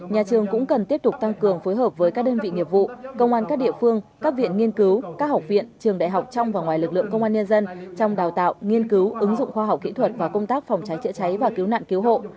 nhà trường cũng cần tiếp tục tăng cường phối hợp với các đơn vị nghiệp vụ công an các địa phương các viện nghiên cứu các học viện trường đại học trong và ngoài lực lượng công an nhân dân trong đào tạo nghiên cứu ứng dụng khoa học kỹ thuật và công tác phòng cháy chữa cháy và cứu nạn cứu hộ